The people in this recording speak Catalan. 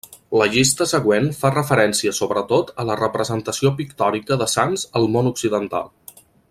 La llista següent fa referència sobretot a la representació pictòrica de sants al món occidental.